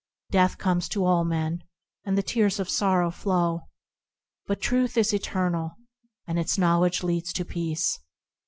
Death comes to all men, and the tears of sorrow flow ; But Truth is eternal, and its knowledge leads to peace.